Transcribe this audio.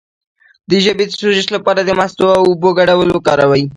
د ژبې د سوزش لپاره د مستو او اوبو ګډول وکاروئ